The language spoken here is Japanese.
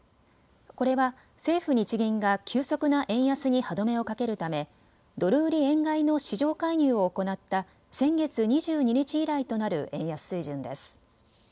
これは政府・日銀が急速な円安に歯止めをかけるためドル売り円買いの市場介入を行った先月２２日以来となる円安水準です。